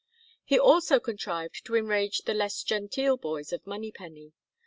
He also contrived to enrage the less genteel boys of Monypenny.